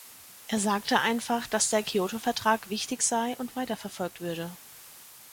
Er sagte einfach, dass der Kyoto-Vertrag wichtig sei und weiterverfolgt würde.